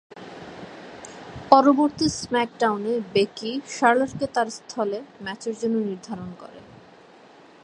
পরবর্তী স্ম্যাকডাউনে Becky Charlotte কে তার স্থলে ম্যাচের জন্য নির্ধারণ করে।